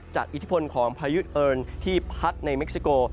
อิทธิพลของพายุเอิญที่พัดในเม็กซิโก